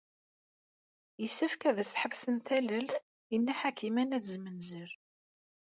Yessefk as-tḥebsem tallalt i Nna Ḥakima n At Zmenzer.